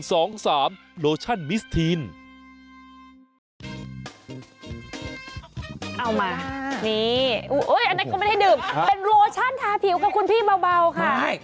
เป็นโรชันทาผิวครับคุณพี่เบาค่ะ